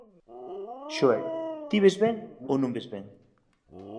Xoel, ti ves ben ou non ves ben?